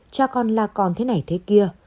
cha con là con thế này thế kia